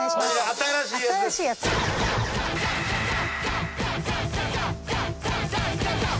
新しいやつです。